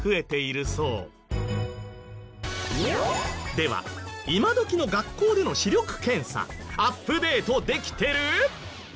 では今どきの学校での視力検査アップデートできてる？